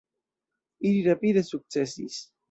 Ili rapide sukcesis.